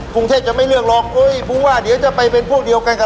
กรุงเทพจะไม่เลือกหรอกเอ้ยผู้ว่าเดี๋ยวจะไปเป็นพวกเดียวกันกับ